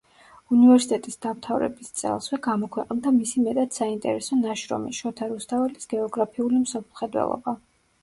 უნივერსიტეტის დამთავრების წელსვე გამოქვეყნდა მისი მეტად საინტერესო ნაშრომი: „შოთა რუსთაველის გეოგრაფიული მსოფლმხედველობა“.